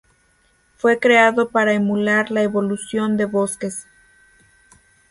Fue creado para emular la evolución de bosques.